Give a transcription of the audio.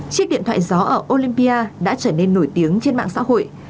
chiếc điện thoại gió ở olympia đã trở nên nổi tiếng trên mạng xã hội